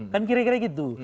kan kira kira gitu